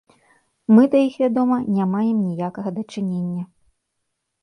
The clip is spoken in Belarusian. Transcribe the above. Мы да іх, вядома, не маем ніякага дачынення.